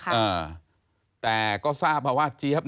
เผื่อเขายังไม่ได้งาน